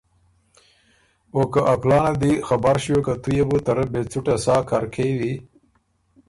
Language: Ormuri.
او که ا کُلانت دی خبر ݭیوک که تُو يې بو ته رۀ بې څُټه سا کر کېوی۔